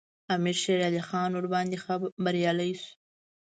امیر شېرعلي خان ورباندې بریالی شو.